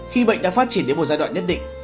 khi bệnh đang phát triển đến một giai đoạn nhất định